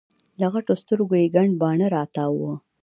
له غټو سترګو یي ګڼ باڼه راتاو وو